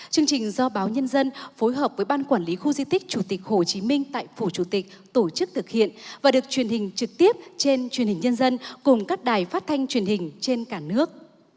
chương trình do báo nhân dân phối hợp với ban quản lý khu di tích chủ tịch hồ chí minh tại phủ chủ tịch tổ chức thực hiện và được truyền hình trực tiếp trên truyền hình nhân dân cùng các đài phát thanh truyền hình trên cả nước